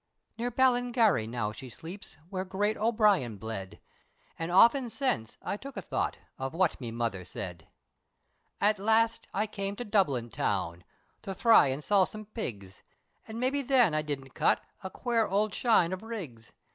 Near Balligarry now she sleeps, Where great O'Brien bled, And often since I took a thought, Of what me mother said. At last I came to Dublin town, To thry an' sell some pigs, And maybe then I didn't cut A quare owld shine of rigs.